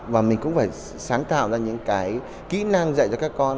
và mình cũng phải sáng tạo ra những cái kỹ năng dạy cho các con